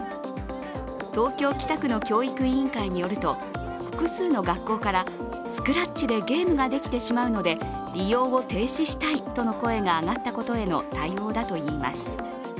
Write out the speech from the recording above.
東京・北区の教育委員会によると、複数の学校からスクラッチでゲームができてしまうので利用を停止したいという声が上がったことへの対応だといいます。